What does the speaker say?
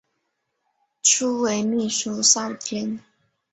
初为秘书少监。